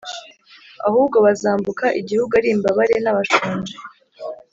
Ahubwo bazambuka igihugu, ari imbabare n’abashonji,